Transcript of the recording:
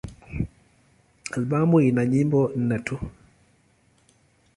Albamu ina nyimbo nne tu.